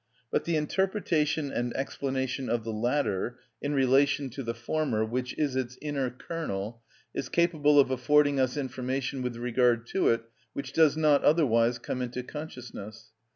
But the interpretation and explanation of the latter, in relation to the former, which is its inner kernel, is capable of affording us information with regard to it which does not otherwise come into consciousness.